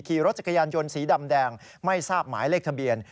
ขี่รถจักรยานยนต์สีดำแดงไม่ทราบหมายเลขทะเบียน